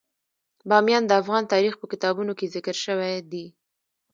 بامیان د افغان تاریخ په کتابونو کې ذکر شوی دي.